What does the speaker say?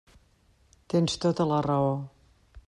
Tens tota la raó.